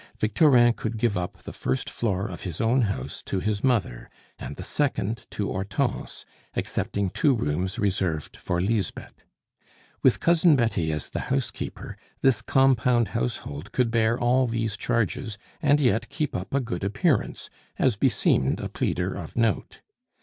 Victorin could give up the first floor of his own house to his mother, and the second to Hortense, excepting two rooms reserved for Lisbeth. With Cousin Betty as the housekeeper, this compound household could bear all these charges, and yet keep up a good appearance, as beseemed a pleader of note.